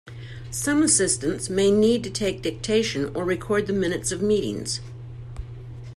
Some assistants may need to take dictation or record the minutes of meetings.